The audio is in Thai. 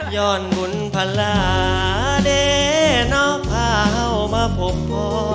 ย้อนบุญพลาดเนาะพาเข้ามาพบพ่อ